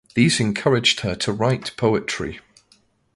These encouraged her to write poetry.